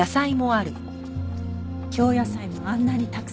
京野菜もあんなにたくさん。